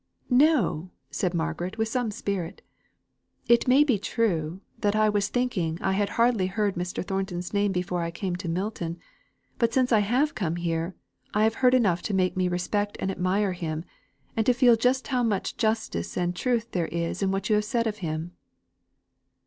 "No," said Margaret, with some spirit. "It may be true that I was thinking I had hardly heard Mr. Thornton's name before I came to Milton. But since I have come here, I have heard enough to make me respect and admire him, and to feel how much justice and truth there is in what you have said of him."